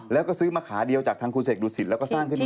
แล้วก็ซื้อมาขาเดียวจากทางคุณเสกดุสิตแล้วก็สร้างขึ้นมา